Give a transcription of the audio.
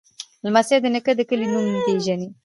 لمسی د نیکه د کلي نوم پیژني.